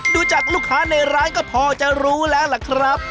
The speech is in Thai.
ดูจากลูกค้าในร้านก็พอจะรู้แล้วล่ะครับ